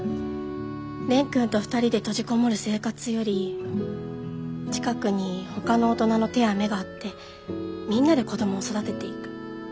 蓮くんと２人で閉じこもる生活より近くにほかの大人の手や目があってみんなで子供を育てていく。